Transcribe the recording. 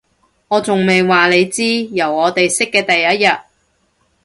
我仲未話你知，由我哋識嘅第一日